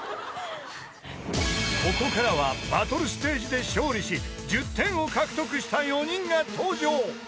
［ここからはバトルステージで勝利し１０点を獲得した４人が登場］